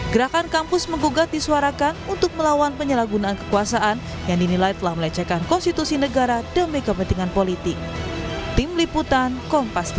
gerakan kampus menggugat disuarakan untuk melawan penyalahgunaan kekuasaan yang dinilai telah melecehkan konstitusi negara demi kepentingan politik